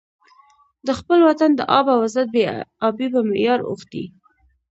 د خپل وطن د آب او عزت بې ابۍ په معیار اوښتی.